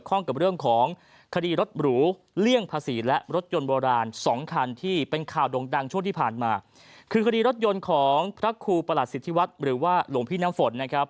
คือคดีรถยนต์ของพระครูประหลัดศิษย์ที่วัฒน์หรือว่าหลวงพี่น้ำฝนนะครับ